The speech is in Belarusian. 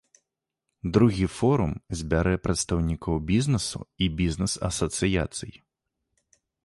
Другі форум збярэ прадстаўнікоў бізнесу і бізнес-асацыяцый.